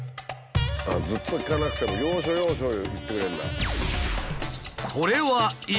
ずっと聞かなくても要所要所言ってくれるんだ。